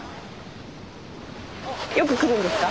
よく来るんですか？